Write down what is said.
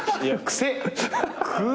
癖！